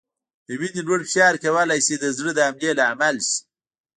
د وینې لوړ فشار کولای شي د زړه د حملې لامل شي.